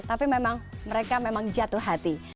tapi memang mereka memang jatuh hati